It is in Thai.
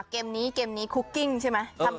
เกมนี้เกมนี้คุกกิ้งใช่ไหม